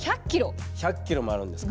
１００キロもあるんですか。